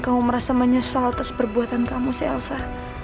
kamu merasa menyesal atas perbuatan kamu si elsa